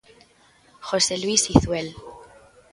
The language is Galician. José Luís Izuel.